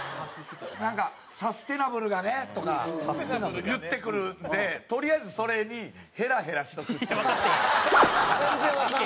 なんか「サステナブルがね」とか言ってくるんでとりあえずそれにヘラヘラしとくっていう。